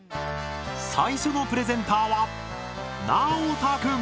最初のプレゼンターはなおた君。